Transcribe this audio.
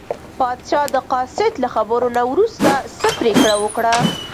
پاچا د قاصد له خبرو نه وروسته څه پرېکړه وکړه.